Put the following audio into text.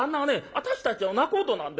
私たちの仲人なんですよ。